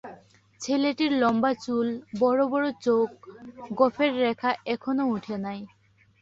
ছেলেটির লম্বা চুল, বড়ো বড়ো চোখ, গোঁফের রেখা এখনো উঠে নাই।